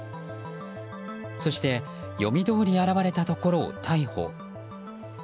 そして読みどおり現れたところを逮捕。